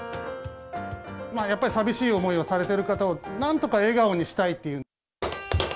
やっぱり寂しい思いをされてる方を、なんとか笑顔にしたいっていう。